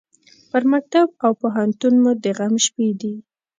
پر مکتب او پوهنتون مو د غم شپې دي